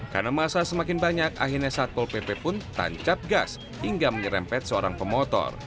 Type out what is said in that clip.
karena masa semakin banyak akhirnya satpol pp pun tancap gas hingga menyerempet seorang pemotor